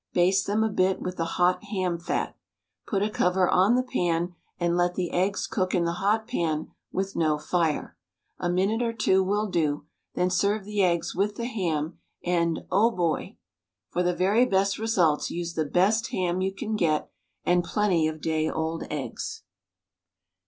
Baste them a bit with the hot ham fat. Put a cover on the pan and let the eggs cook in the hot pan with no iire. A minute or two will do — then serve the eggs with the ham and — oh, boy! For the very best results use the best ham you can get and plenty of day old eggs.